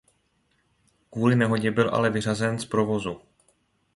Kvůli nehodě byl ale vyřazen z provozu.